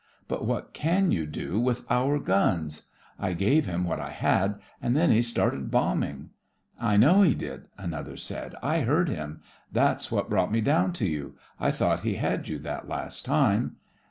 "But what can you do with our guns? I gave him what I had, and then he started bombing." "I know he did," another said. "I heard him. That's what brought me down to you. I thought he had you that last time."